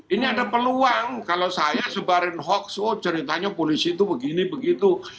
ini ada peluang kalau saya sebarin hoax oh ceritanya polisi itu begini begitu